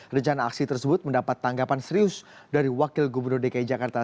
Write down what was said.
rencana aksi tersebut mendapat tanggapan serius dari wakil gubernur dki jakarta